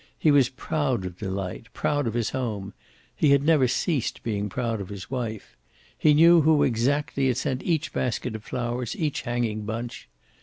He was proud of Delight, proud of his home; he had never ceased being proud of his wife. He knew who exactly had sent each basket of flowers, each hanging bunch.